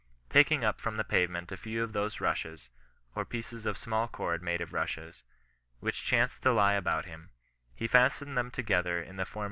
Taking up from the pavement a few of those rushes, or pieces of small cord made of rushes, which chanced to lie about him, he fastened them together iu the foxxn.